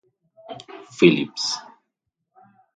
Philips.